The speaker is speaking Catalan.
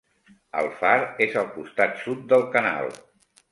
El far és al costat sud del canal.